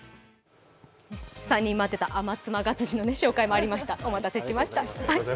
３人待ってたアマツマガツチの紹介もありました、お待たせしました。